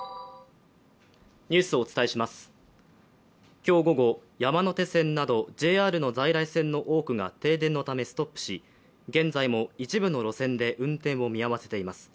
今日午後、山手線などＪＲの在来線の多くが停電のためストップし、現在も一部の路線で運転を見合わせています。